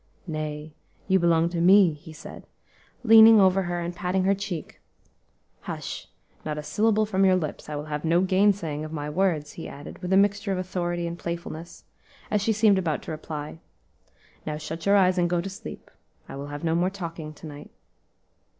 "Nay, you belong to me," he said, leaning over her and patting her cheek. "Hush! not a syllable from your lips. I will have no gainsaying of my words," he added, with a mixture of authority and playfulness, as she seemed about to reply. "Now shut your eyes and go to sleep; I will have no more talking to night."